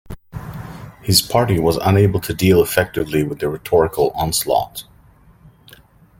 His party was unable to deal effectively with the rhetorical onslaught.